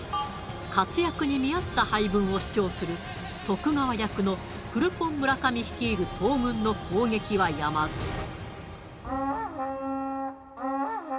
活躍に見合った配分を主張する徳川役のフルポン村上率いる東軍の攻撃はやまず。